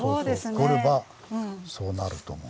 掘ればそうなると思う。